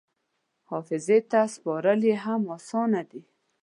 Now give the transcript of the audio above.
حافظې ته سپارل یې هم اسانه دي.